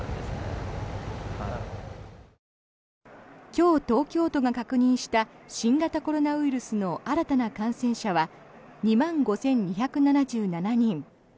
今日、東京都が確認した新型コロナウイルスの新たな感染者は２万５２７７人。